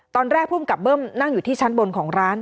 ตอนแรกภูมิกับเบิ้มนั่งอยู่ที่ชั้นบนของร้าน